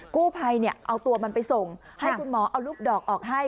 กู้ภัยเอาตัวมันไปส่งให้คุณหมอเอาลูกดอกออกให้